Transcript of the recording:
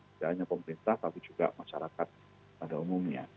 tidak hanya pemerintah tapi juga masyarakat pada umumnya